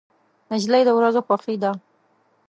نجلۍ د ورځو خوښي ده.